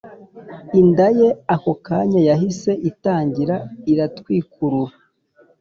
Inda ye ako kanya yahise itangira iratwikurura